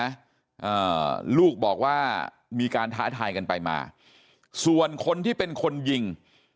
อ่าลูกบอกว่ามีการท้าทายกันไปมาส่วนคนที่เป็นคนยิง